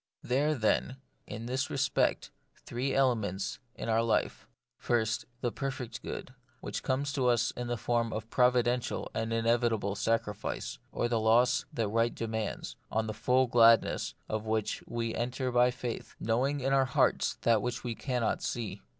There are then, in this respect, three ele ments in our life :— First, the perfect good, which comes to us in the form of providential and inevitable sacrifice, or loss that right demands, on the full gladness of which we enter by faith, knowing in our hearts that which we cannot see.